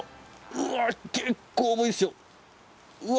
うわっ結構重いですよ。